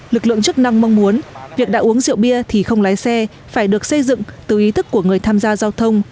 lực lượng chức năng mong muốn việc đã uống rượu bia thì không lái xe phải được xây dựng từ ý thức của người tham gia giao thông